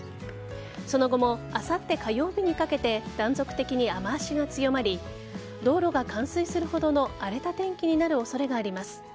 その後もあさって火曜日にかけて断続的に雨脚が強まり道路が冠水するほどの荒れた天気になる恐れがあります。